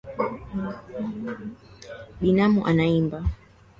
Binamu anaimba.